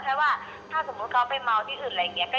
ถ้าว่าถ้าสมมุติเขาไปเมาที่อื่นอะไรอย่างนี้